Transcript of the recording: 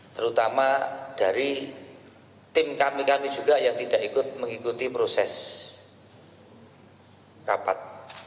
terutama dari tim kami kami juga yang tidak ikut mengikuti proses rapat